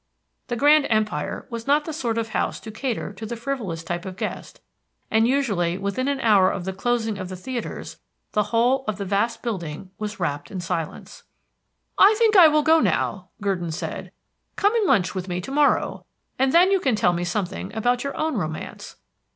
The Grand Empire was not the sort of house to cater to the frivolous type of guest, and usually within an hour of the closing of the theatres the whole of the vast building was wrapped in silence. "I think I will go now," Gurdon said. "Come and lunch with me to morrow, and then you can tell me something about your own romance.